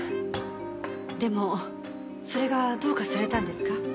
でもそれがどうかされたんですか？